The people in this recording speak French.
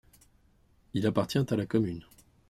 Il appartient à la commune.